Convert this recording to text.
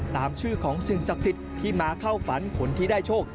ตามชื่อของสิ่งศักดิ์สิทธิ์ที่มาเข้าฝันคนที่ได้โชค